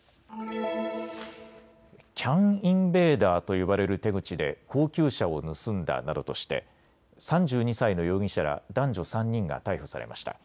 ＣＡＮインベーダーと呼ばれる手口で高級車を盗んだなどとして３２歳の容疑者ら男女３人が逮捕されました。